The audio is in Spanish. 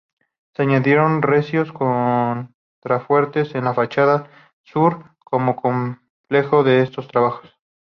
Se añadieron recios contrafuertes en la fachada sur como complemento de estos trabajos.